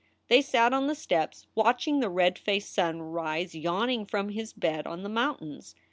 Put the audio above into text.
They sat on the steps, watching the red faced sun rise yawning from his bed on the mountains.